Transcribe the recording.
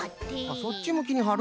あっそっちむきにはる。